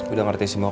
udah ngerti semua kok